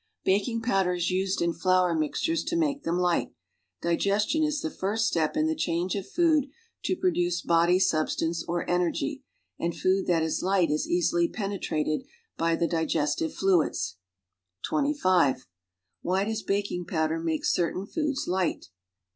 Baking powder is used in flour mixtures to make tliem light; digestion is the first step in the change of food to produce body substance or energy, and food that is light is easily penetrated by the digestive fluids. (25) Why does baking powder make certain foojls light?